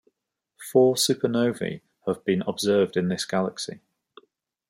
Four supernovae have been observed in this galaxy.